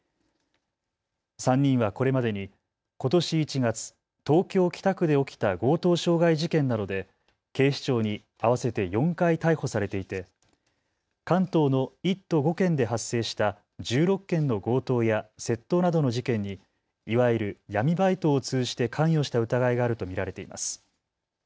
３人はこれまでにことし１月、東京北区で起きた強盗傷害事件などで警視庁に合わせて４回逮捕されていて関東の１都５県で発生した１６件の強盗や窃盗などの事件にいわゆる闇バイトを通じて関与した疑いがあると見られています。